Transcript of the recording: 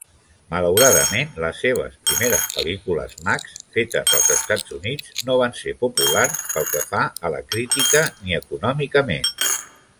Malauradament, les seves primeres pel·lícules "Max" fetes als Estats Units no van ser populars pel que fa a la crítica ni econòmicament.